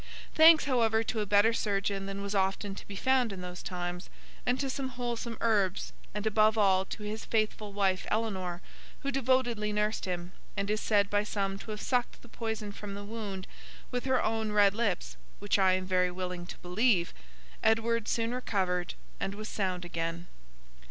Thanks, however, to a better surgeon than was often to be found in those times, and to some wholesome herbs, and above all, to his faithful wife, Eleanor, who devotedly nursed him, and is said by some to have sucked the poison from the wound with her own red lips (which I am very willing to believe), Edward soon recovered and was sound again.